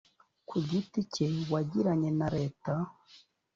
ku giti cye wagiranye na leta